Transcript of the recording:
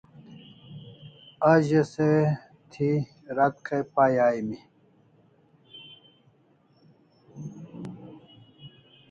A ze se thi rat kay pay aimi